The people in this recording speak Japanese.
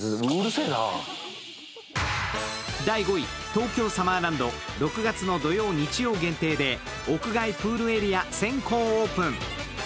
東京サマーランド、６月の土曜、日曜限定で屋外プールエリア先行オープン。